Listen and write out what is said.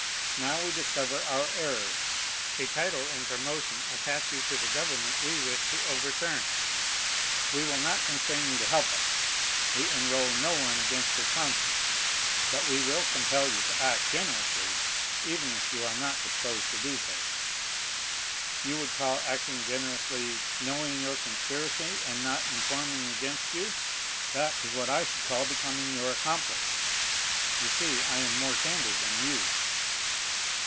Now we discover our error; a title and promotion attach you to the government we wish to overturn. We will not constrain you to help us; we enroll no one against his conscience, but we will compel you to act generously, even if you are not disposed to do so." "'"You would call acting generously, knowing your conspiracy and not informing against you, that is what I should call becoming your accomplice. You see I am more candid than you."